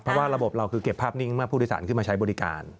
เพราะว่าระบบเราคือเก็บภาพนิ่งเมื่อผู้โดยสารขึ้นมาใช้บริการ